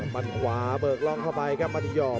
มันขวาเบิกล้องเข้าไปครับมาดียอร์